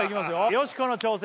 よしこの挑戦